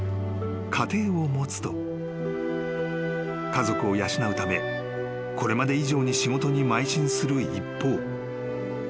［家族を養うためこれまで以上に仕事にまい進する一方］